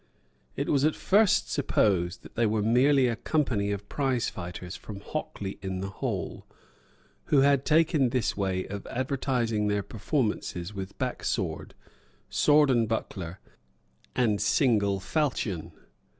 It was at first supposed that they were merely a company of prize fighters from Hockley in the Hole who had taken this way of advertising their performances with back sword, sword and buckler, and single falchion.